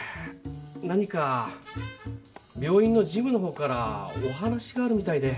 何か病院の事務のほうからお話があるみたいで。